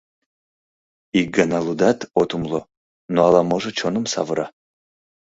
Ик гана лудат, от умыло, но ала-можо чоным савыра.